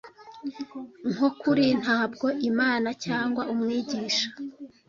nko kuri ntabwo imana cyangwa umwigisha